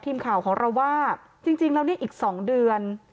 ทีมข่าวของเราว่าจริงแล้วเนี่ยอีก๒เดือน